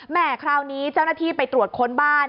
คราวนี้เจ้าหน้าที่ไปตรวจค้นบ้าน